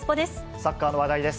サッカーの話題です。